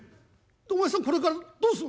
でお前さんこれからどうする？」。